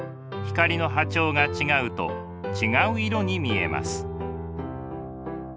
光の波長が違うと違う色に見えます。